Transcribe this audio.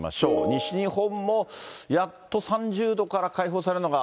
西日本もやっと３０度から解放されるのが。